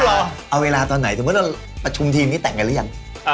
รอเอาเวลาตอนไหนสมมุติเราประชุมทีมนี้แต่งกันหรือยัง